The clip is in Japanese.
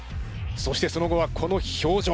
そしてその後はこの表情。